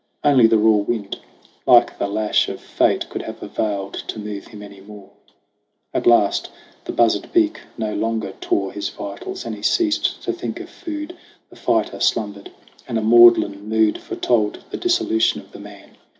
Only the raw wind, like the lash of Fate, Could have availed to move him any more. At last the buzzard beak no longer tore His vitals, and he ceased to think of food. The fighter slumbered, and a maudlin mood Foretold the dissolution of the man.